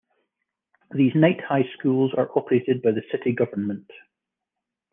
These night high schools are operated by the city government.